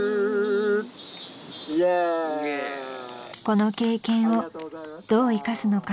［この経験をどう生かすのか］